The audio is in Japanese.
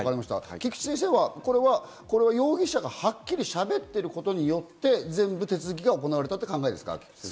菊地先生は容疑者がはっきりしゃべっていることによって全部手続きが行われたという考えですか？